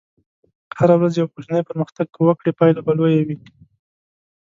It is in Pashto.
هره ورځ یو کوچنی پرمختګ که وکړې، پایله به لویه وي.